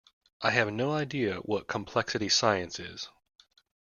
I have no idea what complexity science is.